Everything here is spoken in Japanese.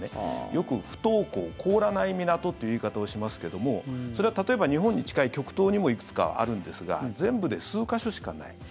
よく不凍港、凍らない港という言い方をしますけどもそれは例えば日本に近い極東にもいくつかあるんですが全部で数か所しかない。